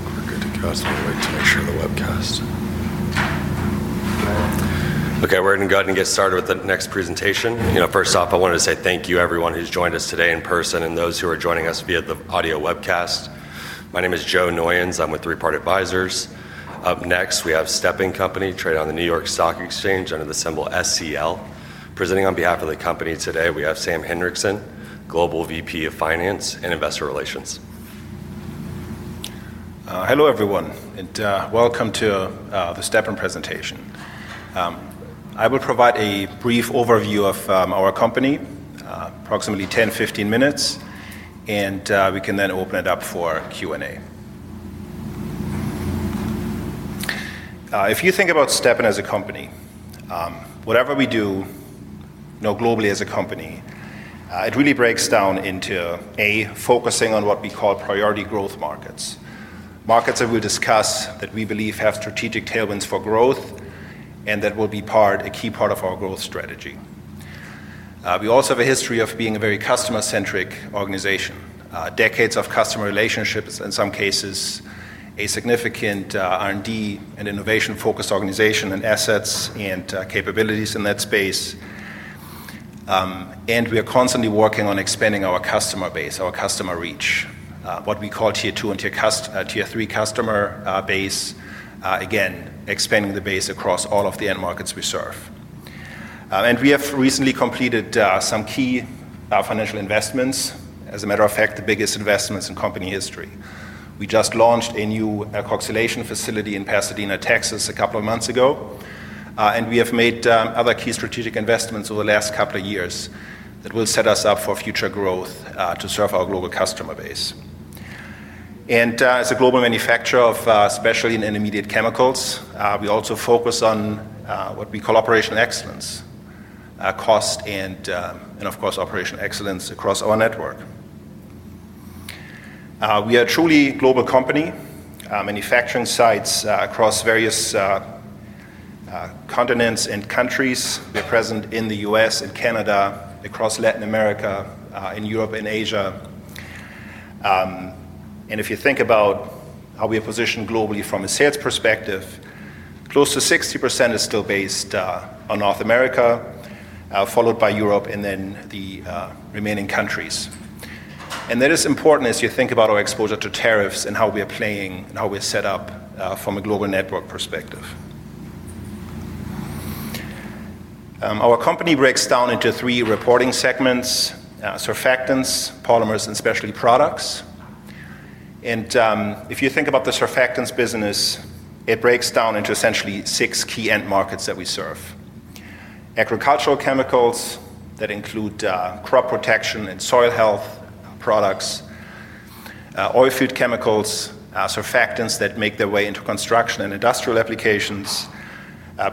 Let's take a look at the console and wait to make sure the webcast is ready. Okay, we're going to go ahead and get started with the next presentation. First off, I wanted to say thank you to everyone who's joined us today in person and those who are joining us via the audio webcast. My name is Joe Noyons. I'm with Three Part Advisors. Up next, we have Stepan Company, traded on the New York Stock Exchange under the symbol SCL. Presenting on behalf of the company today, we have Sam Hinrichsen, Global VP of Finance and Investor Relations. Hello everyone, and welcome to the Stepan Presentation. I will provide a brief overview of our company, approximately 10 minutes-15 minutes, and we can then open it up for Q&A. If you think about Stepan as a company, whatever we do, you know, globally as a company, it really breaks down into, A, focusing on what we call priority growth markets. Markets that we'll discuss that we believe have strategic tailwinds for growth and that will be part, a key part of our growth strategy. We also have a history of being a very customer-centric organization. Decades of customer relationships, in some cases, a significant R&D and innovation-focused organization and assets and capabilities in that space. We are constantly working on expanding our customer base, our customer reach, what we call tier two and tier three customer base, again, expanding the base across all of the end markets we serve. We have recently completed some key financial investments. As a matter of fact, the biggest investments in company history. We just launched a new alcoxylation facility in Pasadena, Texas, a couple of months ago. We have made other key strategic investments over the last couple of years that will set us up for future growth to serve our global customer base. As a global manufacturer of specialty and intermediate chemicals, we also focus on what we call operational excellence, cost, and of course, operational excellence across our network. We are a truly global company, manufacturing sites across various continents and countries. We're present in the U.S. and Canada, across Latin America, in Europe, and Asia. If you think about how we are positioned globally from a sales perspective, close to 60% is still based on North America, followed by Europe, and then the remaining countries. That is important as you think about our exposure to tariffs and how we are playing and how we're set up from a global network perspective. Our company breaks down into three reporting segments: Surfactants, Polymers, and Specialty Products. If you think about the surfactants business, it breaks down into essentially six key end markets that we serve: agricultural chemicals that include crop protection and soil health products, oil-fed chemicals, surfactants that make their way into construction and industrial applications,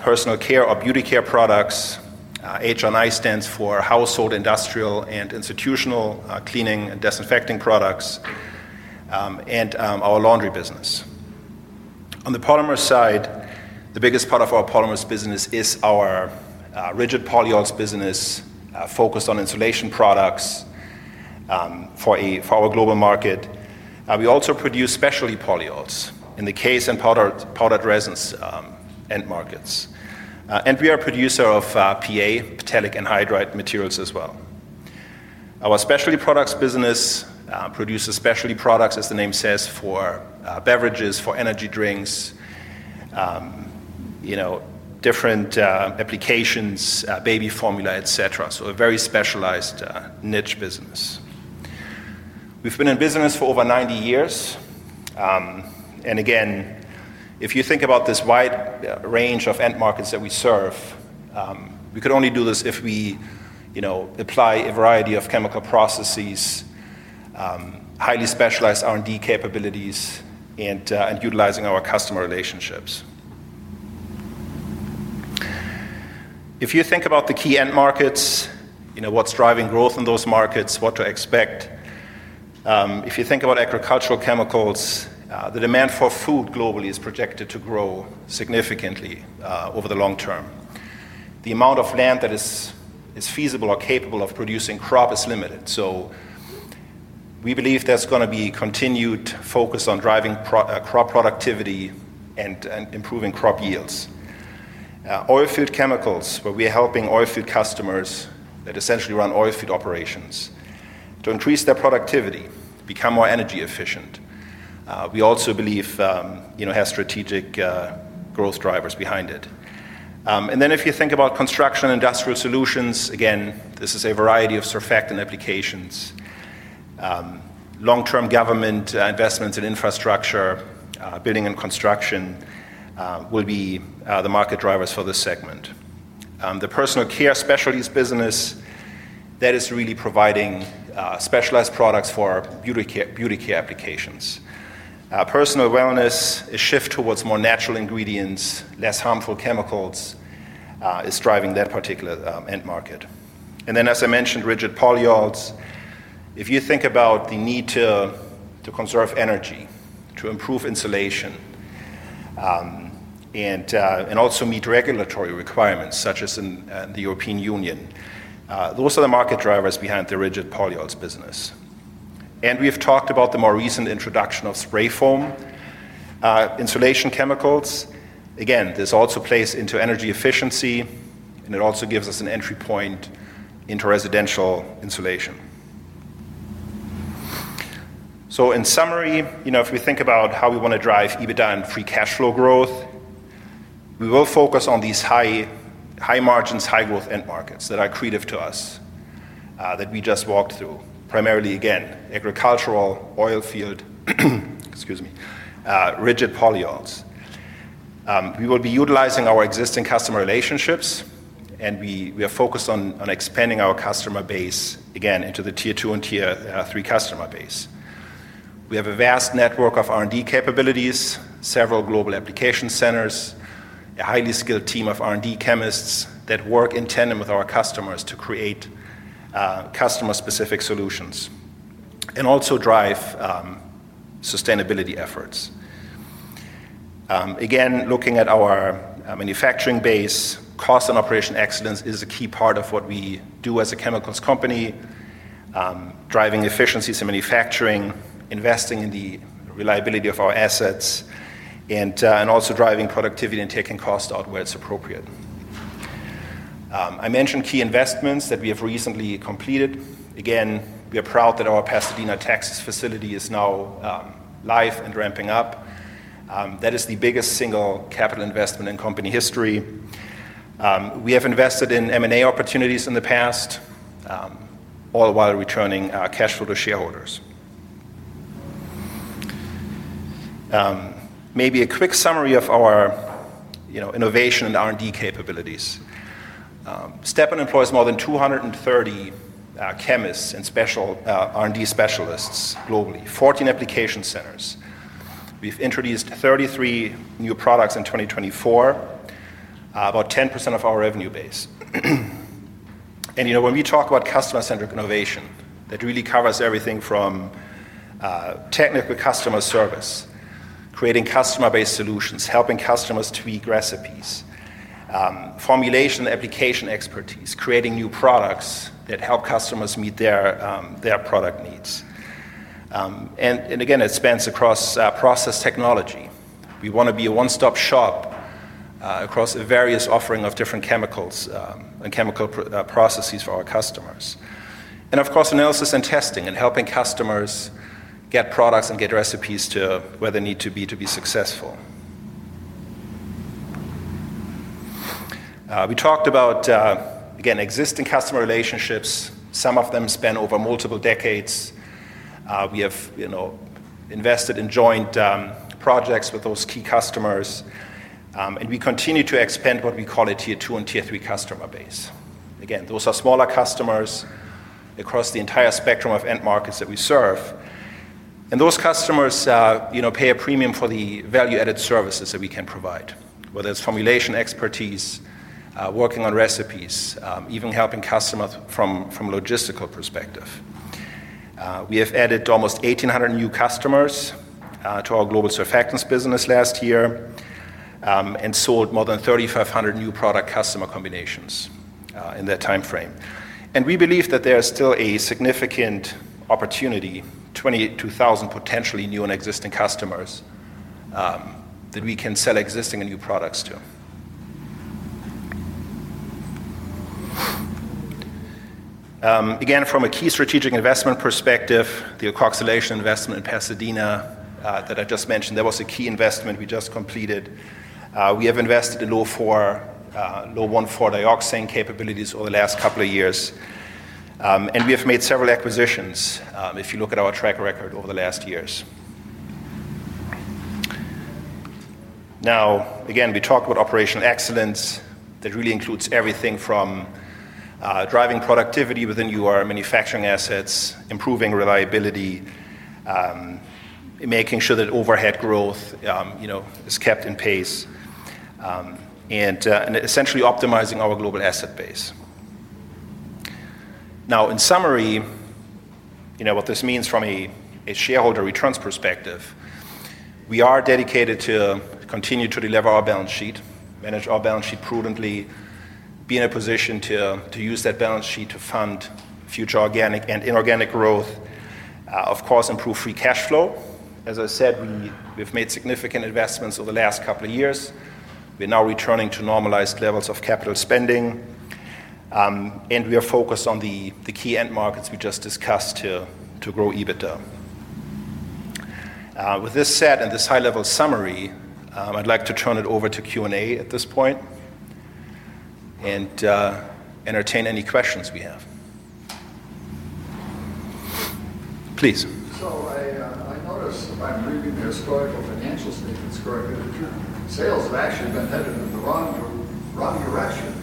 personal care or beauty care products, H&I stands for household, industrial, and institutional cleaning and disinfecting products, and our laundry business. On the polymer side, the biggest part of our polymers business is our Rigid Polyols business, focused on insulation products for our global market. We also produce Specialty Polyols in the C.A.S.E. and powdered resins end markets. We are a producer of PA, metallic, and hydride materials as well. Our Specialty Products business produces specialty products, as the name says, for beverages, for energy drinks, different applications, baby formula, etc. It is a very specialized niche business. We've been in business for over 90 years. If you think about this wide range of end markets that we serve, we could only do this if we apply a variety of chemical processes, highly specialized R&D capabilities, and utilize our customer relationships. If you think about the key end markets, what's driving growth in those markets, what to expect. If you think about agricultural chemicals, the demand for food globally is projected to grow significantly over the long term. The amount of land that is feasible or capable of producing crop is limited. We believe there's going to be continued focus on driving crop productivity and improving crop yields. Oil-fed chemicals, where we are helping oil-fed customers that essentially run oil-fed operations to increase their productivity, become more energy efficient. We also believe there are strategic growth drivers behind it. If you think about construction and industrial solutions, this is a variety of surfactant applications. Long-term government investments in infrastructure, building and construction will be the market drivers for this segment. The Personal Care Specialties business is really providing specialized products for beauty care applications. Personal wellness, a shift towards more natural ingredients, less harmful chemicals, is driving that particular end market. As I mentioned, Rigid Polyols, if you think about the need to conserve energy, to improve insulation, and also meet regulatory requirements such as in the European Union, those are the market drivers behind the Rigid Polyols business. We've talked about the more recent introduction of spray foam insulation chemicals. This also plays into energy efficiency, and it also gives us an entry point into residential insulation. In summary, if we think about how we want to drive EBITDA and free cash flow growth, we will focus on these high margin, high growth end markets that are accretive to us, that we just walked through, primarily, again, agricultural, oil-fed, excuse me, rigid polyols. We will be utilizing our existing customer relationships, and we are focused on expanding our customer base, again, into the tier two and tier three customer base. We have a vast network of R&D capabilities, several global application centers, a highly skilled team of R&D chemists that work in tandem with our customers to create customer-specific solutions, and also drive sustainability efforts. Looking at our manufacturing base, cost and operational excellence is a key part of what we do as a chemicals company, driving efficiencies in manufacturing, investing in the reliability of our assets, and also driving productivity and taking cost out where it's appropriate. I mentioned key investments that we have recently completed. We are proud that our Pasadena, Texas, facility is now live and ramping up. That is the biggest single capital investment in company history. We have invested in M&A opportunities in the past, all while returning cash flow to shareholders. Maybe a quick summary of our innovation and R&D capabilities. Stepan Company employs more than 230 chemists and special R&D specialists globally, 14 application centers. We've introduced 33 new products in 2024, about 10% of our revenue base. When we talk about customer-centric innovation, that really covers everything from technical customer service, creating customer-based solutions, helping customers tweak recipes, formulation and application expertise, creating new products that help customers meet their product needs. It spans across process technology. We want to be a one-stop shop across a various offering of different chemicals and chemical processes for our customers. Of course, analysis and testing and helping customers get products and get recipes to where they need to be to be successful. We talked about existing customer relationships. Some of them span over multiple decades. We have invested in joint projects with those key customers. We continue to expand what we call a tier two and tier three customer base. Those are smaller customers across the entire spectrum of end markets that we serve. Those customers pay a premium for the value-added services that we can provide, whether it's formulation expertise, working on recipes, even helping customers from a logistical perspective. We have added almost 1,800 new customers to our global surfactants business last year and sold more than 3,500 new product-customer combinations in that timeframe. We believe that there is still a significant opportunity, 22,000 potentially new and existing customers that we can sell existing and new products to. From a key strategic investment perspective, the co-alkylation investment in Pasadena, Texas that I just mentioned was a key investment we just completed. We have invested in low 1,4-dioxane capabilities over the last couple of years. We have made several acquisitions if you look at our track record over the last years. We talked about operational excellence. That really includes everything from driving productivity within your manufacturing assets, improving reliability, making sure that overhead growth is kept in pace, and essentially optimizing our global asset base. In summary, what this means from a shareholder returns perspective, we are dedicated to continue to deleverage our balance sheet, manage our balance sheet prudently, be in a position to use that balance sheet to fund future organic and inorganic growth. Of course, improve free cash flow. As I said, we've made significant investments over the last couple of years. We're now returning to normalized levels of capital spending. We are focused on the key end markets we just discussed to grow EBITDA. With this said, and this high-level summary, I'd like to turn it over to Q&A at this point and entertain any questions we have. Please. I noticed by reading the historical financials, sales have actually been headed in the wrong direction for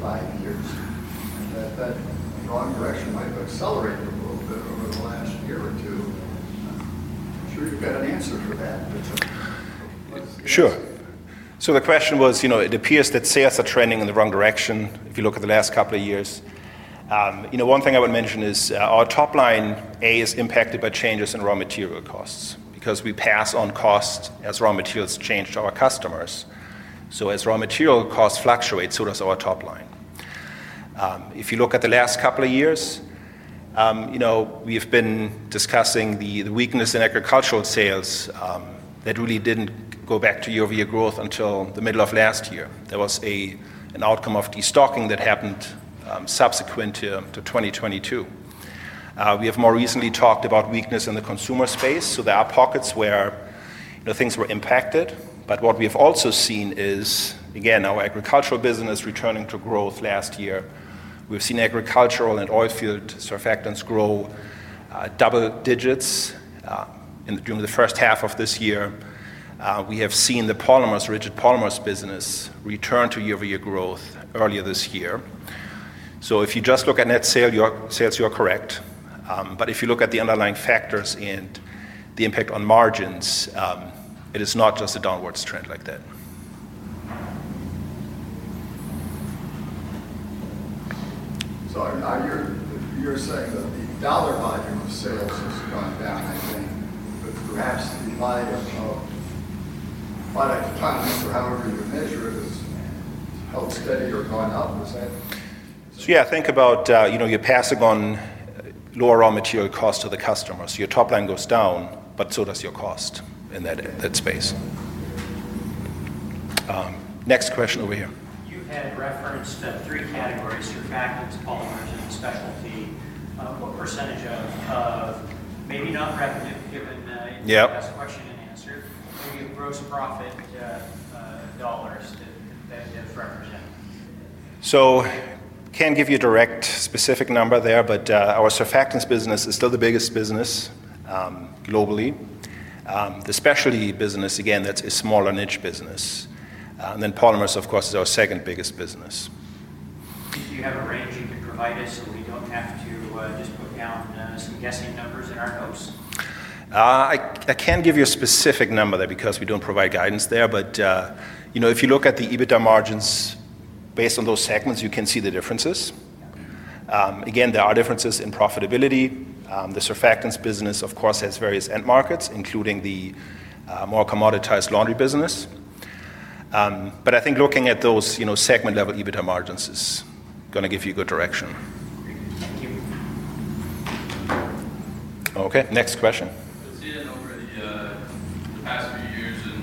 five years. That wrong direction might have accelerated a little bit over the last year or two. Should we get an answer to that? Sure. The question was, you know, it appears that sales are trending in the wrong direction if you look at the last couple of years. One thing I would mention is our top line is impacted by changes in raw material costs because we pass on costs as raw materials change to our customers. As raw material costs fluctuate, so does our top line. If you look at the last couple of years, we have been discussing the weakness in agricultural sales that really didn't go back to year-over-year growth until the middle of last year. That was an outcome of destocking that happened subsequent to 2022. We have more recently talked about weakness in the consumer space. There are pockets where things were impacted. What we have also seen is, again, our agricultural business returning to growth last year. We've seen agricultural and oil-fed surfactants grow double digits during the first half of this year. We have seen the rigid polymers business return to year-over-year growth earlier this year. If you just look at net sales, you're correct. If you look at the underlying factors and the impact on margins, it is not just a downwards trend like that. On your side though, the dollar volume sales have since gone down, I think. Perhaps the line is, you know, if fundamentally, however you measure it, is how steady your run-out is. Think about, you know, you're passing on lower raw material costs to the customer. Your top line goes down, but so does your cost in that space. Next question over here. You had referenced three categories: Surfactants, Polymers, and Specialty Products. What percentage of, maybe not revenue, that's actually an answer, but maybe gross profit dollars? I can't give you a direct specific number there, but our Surfactants business is still the biggest business globally. The Specialty business, again, that's a smaller niche business, and then Polymers, of course, is our second biggest business. Do you have a range you can provide us so we don't have to, otherwise just put down some guessing numbers in our notes? I can't give you a specific number there because we don't provide guidance there, but if you look at the EBITDA margins based on those segments, you can see the differences. There are differences in profitability. The surfactants business, of course, has various end markets, including the more commoditized laundry business. I think looking at those segment-level EBITDA margins is going to give you a good direction. Thank you. Okay, next question. This year and over the past few years, and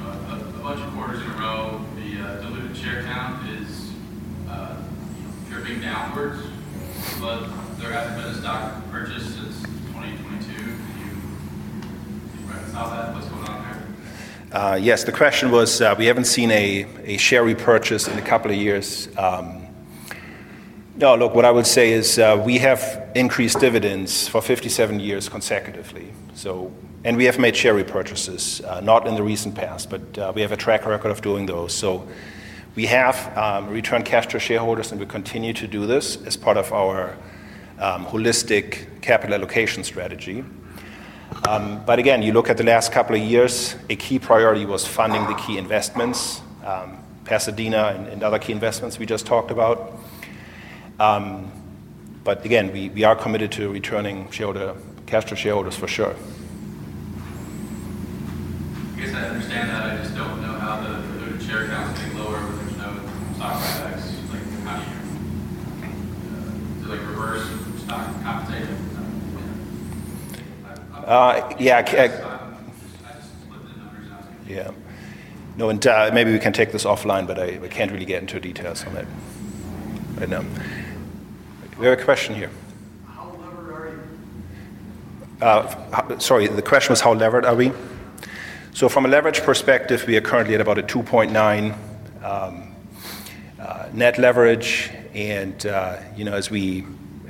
a bunch of quarters in a row, the dilutive share count is drifting downwards, but there hasn't been a stock purchase since 2022. Yes, the question was, we haven't seen a share repurchase in a couple of years. No, look, what I would say is we have increased dividends for 57 years consecutively. We have made share repurchases, not in the recent past, but we have a track record of doing those. We have returned cash to shareholders, and we continue to do this as part of our holistic capital allocation strategy. You look at the last couple of years, a key priority was funding the key investments, Pasadena and other key investments we just talked about. We are committed to returning cash to shareholders for sure. I guess I understand that. I just don't know how the share counts are getting lower with the stock price. Do they reverse from stock to capital? No, and maybe we can take this offline, but I can't really get into details on that. We have a question here. Sorry, the question was how levered are we? From a leverage perspective, we are currently at about a 2.9 net leverage.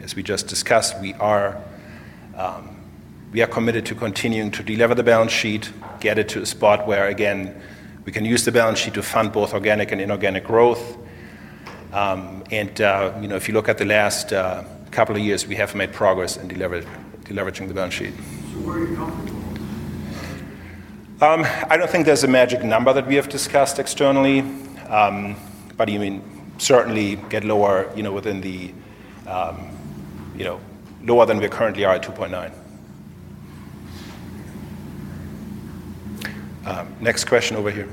As we just discussed, we are committed to continuing to deliver the balance sheet, get it to a spot where again we can use the balance sheet to fund both organic and inorganic growth. If you look at the last couple of years, we have made progress in deleveraging the balance sheet. Not at all. I don't think there's a magic number that we have discussed externally, but you certainly get lower, you know, lower than we currently are at 2.9. Next question over here.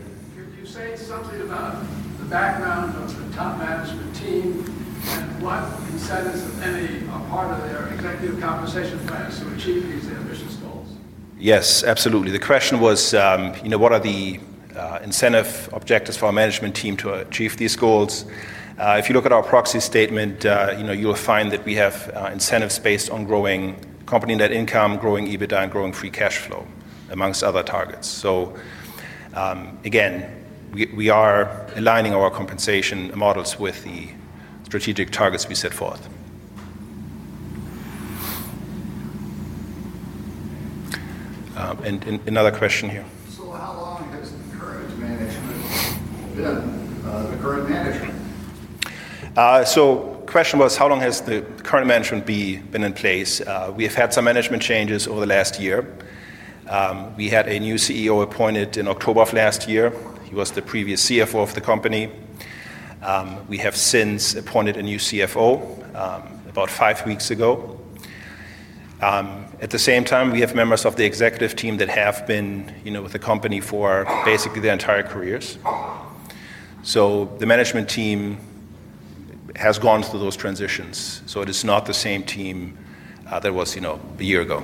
you say something about the background of the top management team and what incentives, if any, are part of their executive compensation plans to achieve these ambitious goals? Yes, absolutely. The question was, you know, what are the incentive objectives for our management team to achieve these goals? If you look at our proxy statement, you know, you'll find that we have incentives based on growing company net income, growing EBITDA, and growing free cash flow, among other targets. We are aligning our compensation models with the strategic targets we set forth. Another question here. executives who are driving the strategy right now? The question was, how long has the current management been in place? We have had some management changes over the last year. We had a new CEO appointed in October of last year. He was the previous CFO of the company. We have since appointed a new CFO about five weeks ago. At the same time, we have members of the executive team that have been with the company for basically their entire careers. The management team has gone through those transitions. It is not the same team that was a year ago.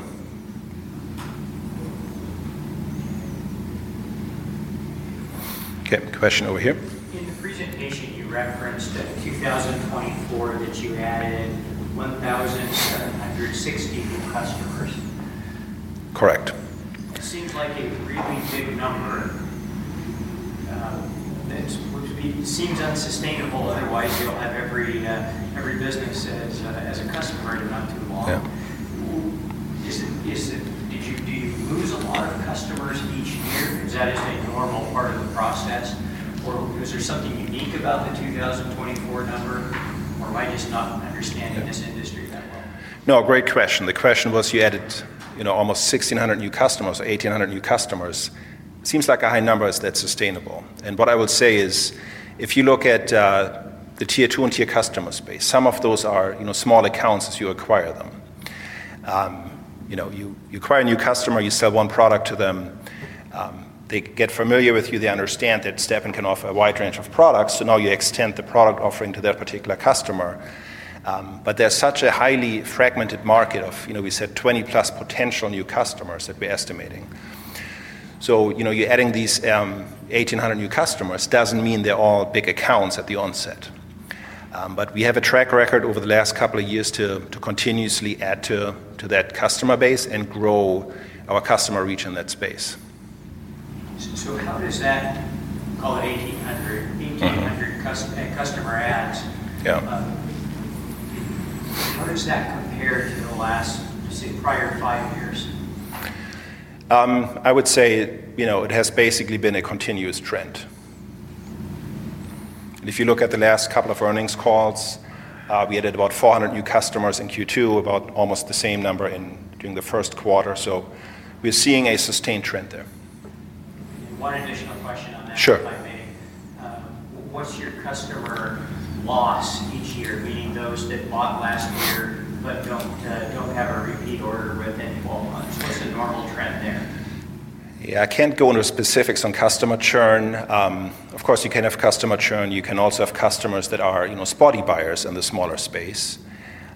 Okay, question over here. In the presentation you referenced in 2024, that you added 1,060 new customers. Correct. Seems like a really big number. What seems unsustainable, otherwise you'll have every business as a customer in about two months. Yeah. Do you lose a lot of customers each year? Is that a normal part of the process? Is there something unique about the 2024 number? I just don't understand this industry better. Great question. The question was you added, you know, almost 1,600 new customers, 1,800 new customers. Seems like a high number that's sustainable. What I would say is if you look at the tier two and tier three customer space, some of those are, you know, small accounts as you acquire them. You acquire a new customer, you sell one product to them, they get familiar with you, they understand that Stepan Company can offer a wide range of products, so now you extend the product offering to that particular customer. There's such a highly fragmented market of, you know, we said 20+ potential new customers that we're estimating. You're adding these 1,800 new customers, doesn't mean they're all big accounts at the onset. We have a track record over the last couple of years to continuously add to that customer base and grow our customer reach in that space. How does that, all 1,800 new customers that customer has, how does that compare to the last, let's say, prior five years? I would say it has basically been a continuous trend. If you look at the last couple of earnings calls, we added about 400 new customers in Q2, about almost the same number during the first quarter. We're seeing a sustained trend there. One additional question. Sure. What's your customer loss each year, being those that model as a layer but don't have a repeat or a rotating fallout? Is it a normal trend there? Yeah, I can't go into specifics on customer churn. Of course, you can have customer churn. You can also have customers that are, you know, spotty buyers in the smaller space.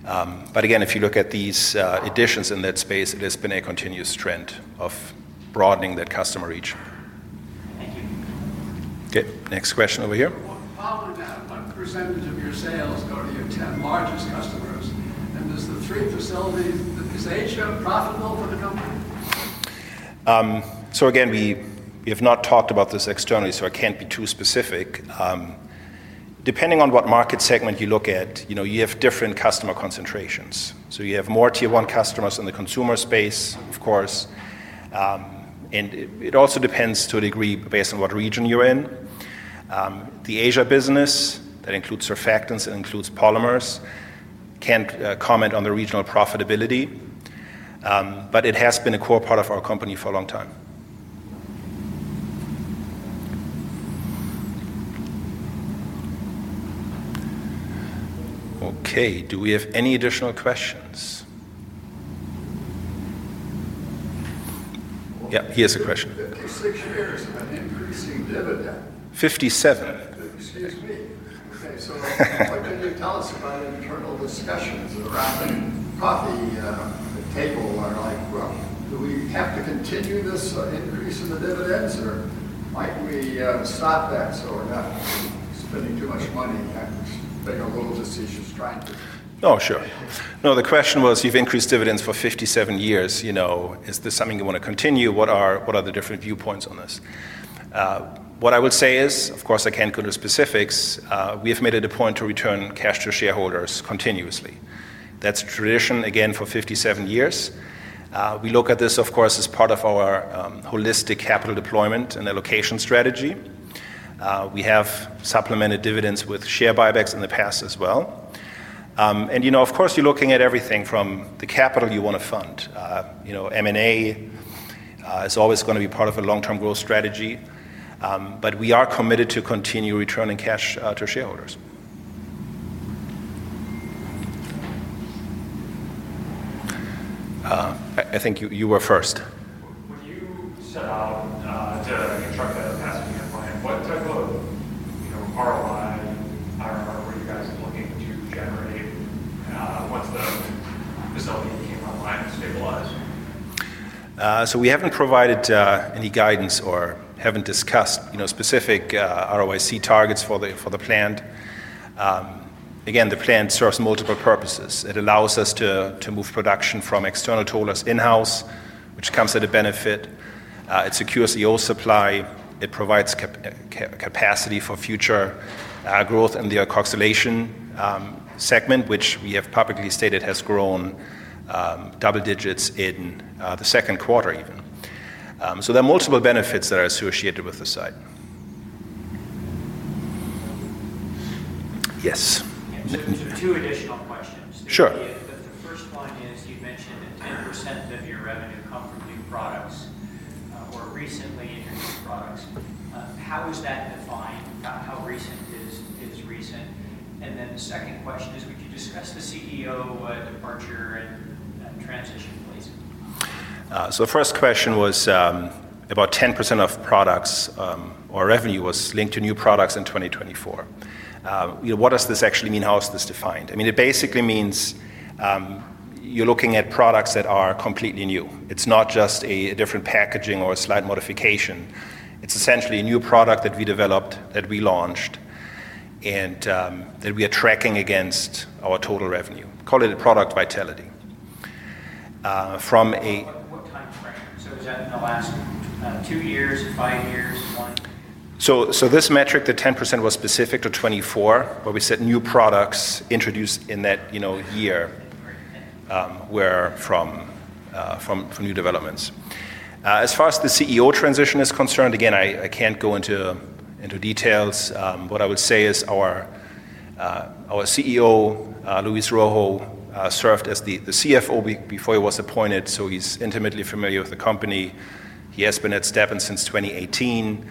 Again, if you look at these additions in that space, it has been a continuous trend of broadening that customer reach. Okay, next question over here. What about what percentage of your sales go to your 10 largest customers? Do the three facilities that you say show profitable for the company? Again, we have not talked about this externally, so I can't be too specific. Depending on what market segment you look at, you have different customer concentrations. You have more tier one customers in the consumer space, of course. It also depends to a degree based on what region you're in. The Asia business, that includes surfactants and includes polymers, can't comment on the regional profitability. It has been a core part of our company for a long time. Okay, do we have any additional questions? Yeah, here's a question. If you guys have increased the dividends. 57 years. Okay, so what can you tell us about it? Turn those discussions around. They fought the table and are like, do we have to continue this increase in the dividends? Why didn't we stop that? We're not spending too much money on payable decisions. Oh, sure. No, the question was you've increased dividends for 57 years. Is this something you want to continue? What are the different viewpoints on this? What I would say is, of course, I can't go to specifics. We've made it a point to return cash to shareholders continuously. That's tradition, again, for 57 years. We look at this, of course, as part of our holistic capital deployment and allocation strategy. We have supplemented dividends with share buybacks in the past as well. Of course, you're looking at everything from the capital you want to fund. M&A is always going to be part of a long-term growth strategy. We are committed to continue returning cash to shareholders. I think you were first. Sure, I'll interrupt that. What type of ROI or what are you guys looking to generate? What's the SLV? We haven't provided any guidance or haven't discussed, you know, specific ROIC targets for the plant. Again, the plant serves multiple purposes. It allows us to move production from external toolers in-house, which comes at a benefit. It secures the old supply. It provides capacity for future growth in the alcoxylation segment, which we have publicly stated has grown double digits in the second quarter even. There are multiple benefits that are associated with the site. Yes. Two additional questions. Sure. The first one is you mentioned that 10% of your revenue comes from new products or recently new products. How is that defined? How recent is recent? The second question is, would you discuss the CEO transition? The first question was about 10% of products or revenue was linked to new products in 2024. What does this actually mean? How is this defined? It basically means you're looking at products that are completely new. It's not just a different packaging or a slight modification. It's essentially a new product that we developed, that we launched, and that we are tracking against our total revenue. Call it a product vitality. What time frame? Is that in the last two years or five years? This metric, the 10% was specific to 2024, but we said new products introduced in that year were from new developments. As far as the CEO transition is concerned, again, I can't go into details. What I would say is our CEO, Luis Rojo, served as the CFO before he was appointed, so he's intimately familiar with the company. He has been at Stepan Company since 2018.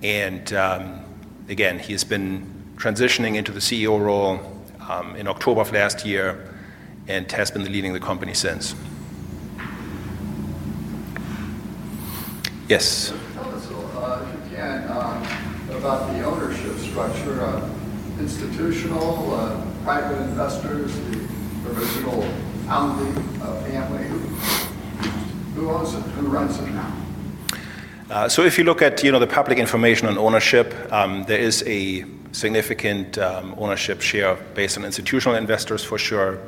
He has been transitioning into the CEO role in October of last year and has been leading the company since. Yes. Again, about the ownership structure, institutional private investors and the ownership. If you look at the public information on ownership, there is a significant ownership share based on institutional investors for sure.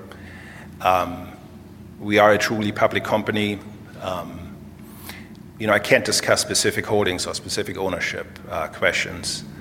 We are a truly public company. I can't discuss specific holdings or specific ownership questions.